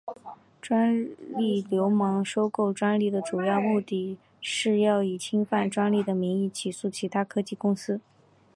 专利流氓收购专利的主要目的是要以侵犯专利的名义起诉其他科技公司。